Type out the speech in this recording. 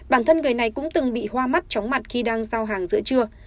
bản thân người này cũng từng bị hoa mắt chóng mặt khi đang giao hàng giữa trưa